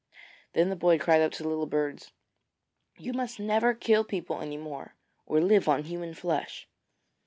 Then the boy cried up to the little birds: 'You must never kill people any more, or live on human flesh.